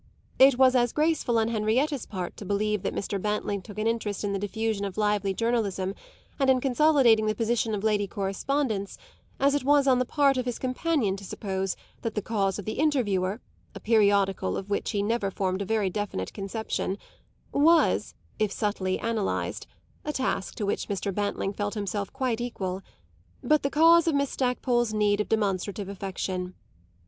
It was as graceful on Henrietta's part to believe that Mr. Bantling took an interest in the diffusion of lively journalism and in consolidating the position of lady correspondents as it was on the part of his companion to suppose that the cause of the Interviewer a periodical of which he never formed a very definite conception was, if subtly analysed (a task to which Mr. Bantling felt himself quite equal), but the cause of Miss Stackpole's need of demonstrative affection.